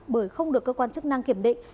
bởi không được cơ quan chức năng kiểm định